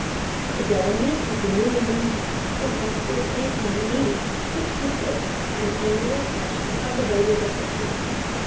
The government of the New England town is vested in a town meeting, which consists of an annual session of the voters of the town.